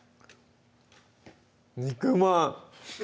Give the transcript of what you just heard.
肉まん！